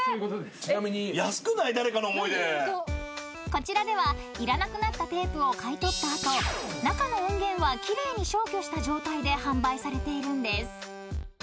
［こちらではいらなくなったテープを買い取った後中の音源は奇麗に消去した状態で販売されているんです］